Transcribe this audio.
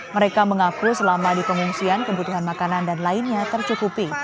mereka mengaku selama di pengungsian kebutuhan makanan dan lainnya tercukupi